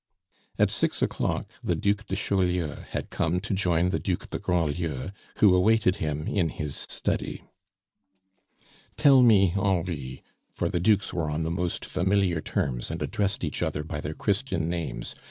At six o'clock the Duc de Chaulieu had come to join the Duc de Grandlieu, who awaited him in his study. "Tell me, Henri" for the Dukes were on the most familiar terms, and addressed each other by their Christian names.